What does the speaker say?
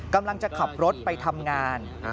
กำลังจะขับรถไปทำงาน